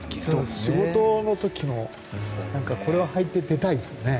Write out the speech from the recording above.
仕事の時もこれを履いて出たいですね。